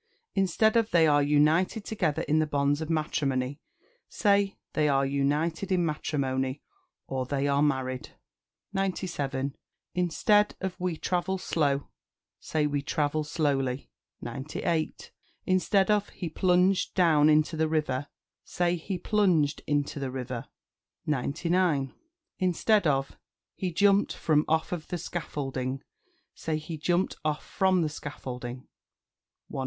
Instead of "They are united together in the bonds of matrimony," say "They are united in matrimony," or, "They are married." 97. Instead of "We travel slow," say "We travel slowly." 98. Instead of "He plunged down into the river," say "He plunged into the river." 99. Instead of "He jumped from off of the scaffolding," say "He jumped off from the scaffolding." 100.